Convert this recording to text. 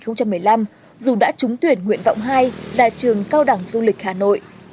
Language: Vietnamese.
năm hai nghìn một mươi năm dù đã trúng tuyển nguyện vọng hai là trường cao đẳng du lịch hà nội